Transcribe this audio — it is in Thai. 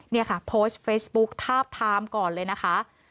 นี่ค่ะโพสต์เฟซบุ๊กทาบทามก่อนเลยนะคะ